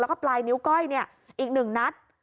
แล้วก็ปลายนิ้วก้อยเนี่ยอีกหนึ่งนัด